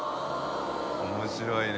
面白いね。